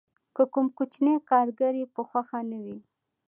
که کوم کوچنی کارګر یې په خوښه نه وي